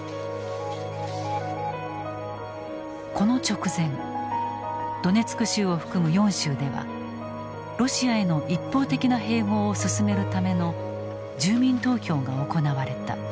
この直前ドネツク州を含む４州ではロシアへの一方的な併合を進めるための住民投票が行われた。